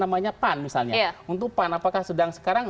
apakah sedang sekarang